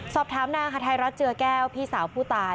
สอบถามนางฮาไทยรัฐเจือแก้วพี่สาวผู้ตาย